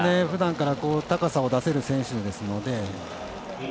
ふだんから高さを出せる選手ですので。